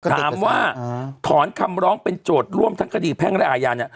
ถามว่าถอนคำร้องเป็นโจทย์ร่วมทั้งคดีแพ่งและอาญาเนี่ย